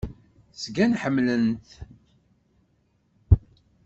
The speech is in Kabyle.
Zgan ḥemmlen-t.